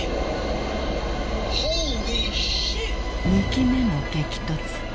［２機目の激突。